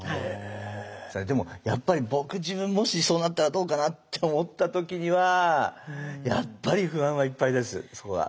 でもやっぱり僕自分もしそうなったらどうかなって思った時にはやっぱり不安はいっぱいですそこは。